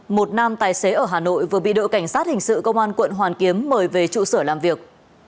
một nam tài xế ở hà nội vừa bị đội cảnh sát hình sự công an quận hoàn kiếm mời về trụ sở làm việc